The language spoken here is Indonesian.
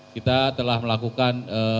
kita telah melakukan